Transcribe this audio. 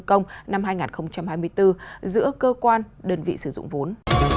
công năm hai nghìn hai mươi bốn giữa cơ quan đơn vị sử dụng vốn